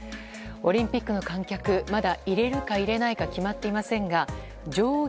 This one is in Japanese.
オリンピックの観客まだ入れるか入れないか決まっていませんが上限